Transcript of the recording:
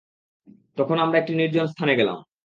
তখন আমরা একটি নির্জন স্থানে গেলাম।